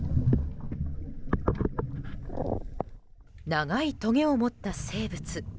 長いとげを持った生物。